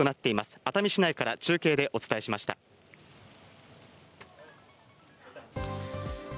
熱海市内から中継でお伝えしました。